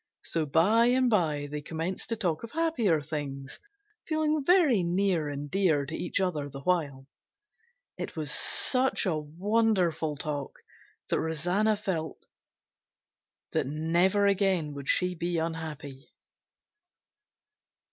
So by and by they commenced to talk of happier things, feeling very near and dear to each other the while. It was such a wonderful talk that Rosanna felt that never again would she be unhappy.